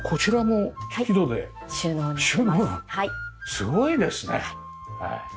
すごいですね。